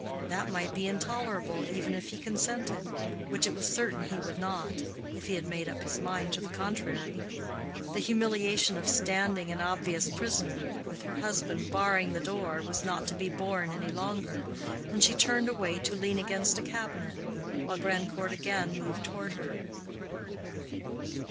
That might be intolerable, even if he consented, which it was certain he would not, if he had made up his mind to the contrary. The humiliation of standing an obvious prisoner, with her husband barring the door, was not to be borne any longer, and she turned away to lean against a cabinet, while Grandcourt again moved toward her.